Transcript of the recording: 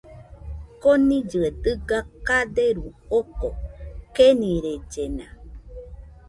Konillɨe dɨga kaderu joko, kenirellena.